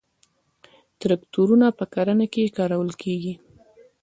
تراکتورونه په کرنه کې کارول کیږي